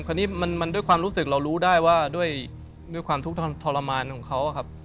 คราวนี้มันด้วยความรู้สึกเรารู้ได้ว่าด้วยความทุกข์ทรมานของเขาครับ